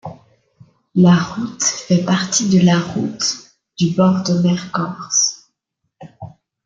La route fait partie de la route du bord de mer corse.